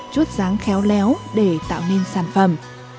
chút dáng khéo léo để tạo nên sản phẩm